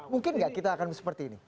mungkin nggak kita akan seperti ini